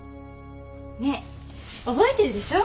ねえ覚えてるでしょう